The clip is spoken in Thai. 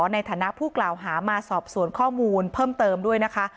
ในฐานะผู้กล่าวหามาสอบสวนข้อมูลเพิ่มเติมด้วยนะคะ